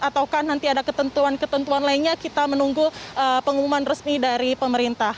atau nanti ada ketentuan ketentuan lainnya kita menunggu pengumuman resmi dari pemerintah